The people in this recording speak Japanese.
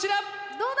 どうだ！